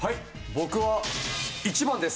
僕は１番です。